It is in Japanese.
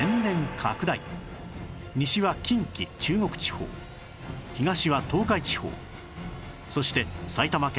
西は近畿中国地方東は東海地方そして埼玉県